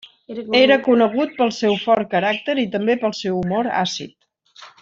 Era conegut pel seu fort caràcter i també pel seu humor àcid.